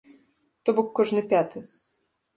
То бок, кожны пяты.